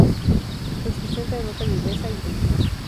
Su expresión denota viveza e inteligencia.